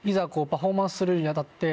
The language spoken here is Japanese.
パフォーマンスするに当たって。